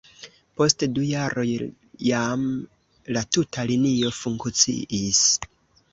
Post du jaroj jam la tuta linio funkciis.